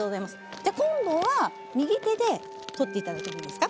じゃあ今度は右手で取っていただいてもいいですか？